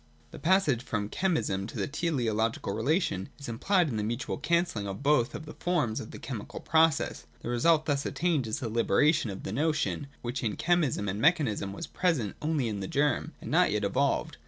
The passage from chemism to the teleological relation is implied in the mutual cancelling of both of the forms of the chemical process. The result thus attained is the liberation of the notion, which in chemism and mechanism was present only in the germ, and not yet evolved.